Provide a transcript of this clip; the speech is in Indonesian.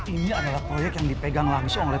ini adalah proyek yang dipegang langsung oleh